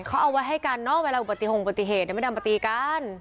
เขาเอาไว้ให้กันเนาะเวลาปฏิหงปฏิเหตุไม่ได้ปฏิกัน